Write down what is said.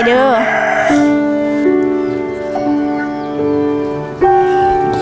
ใช่ฮะพ่อ